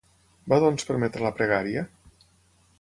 Va doncs permetre la pregària?